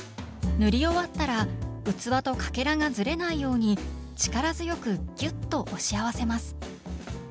塗り終わったら器とかけらがずれないように力強くギュッと押し合わせます。